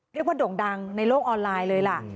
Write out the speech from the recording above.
โด่งดังในโลกออนไลน์เลยล่ะ